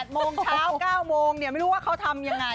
โมงเช้า๙โมงไม่รู้ว่าเขาทำยังไง